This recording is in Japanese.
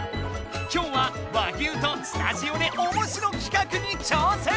今日は和牛とスタジオでおもしろきかくに挑戦！